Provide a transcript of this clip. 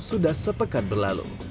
sudah sepekan berlalu